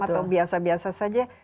atau biasa biasa saja